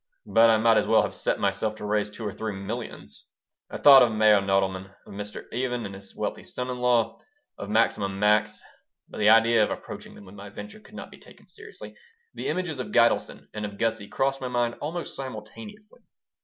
But I might as well have set myself to raise two or three millions I thought of Meyer Nodelman, of Mr. Even and his wealthy son in law, of Maximum Max. But the idea of approaching them with my venture could not be taken seriously. The images of Gitelson and of Gussie crossed my mind almost simultaneously.